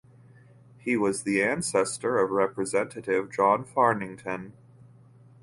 He was the ancestor of Representative John Farrington.